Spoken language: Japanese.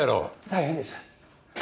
大変です。